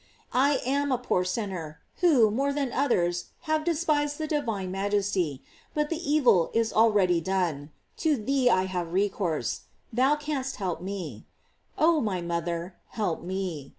I am a poor sinner, who, more than others, have despised the divine Majesty; but the evil is already done. To thee I have recourse: thou canst help me; oh, my mother, help me.